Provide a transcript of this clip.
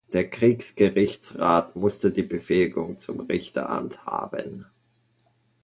Der Kriegsgerichtsrat musste die Befähigung zum Richteramt haben.